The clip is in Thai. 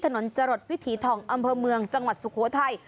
ถนนจรดวิถีทองอำเภอเมืองจังหวัดสุโขทัย